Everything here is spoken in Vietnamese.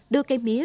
đưa cây mía